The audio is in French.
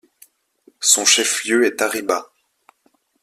Son chef-lieu est Táriba.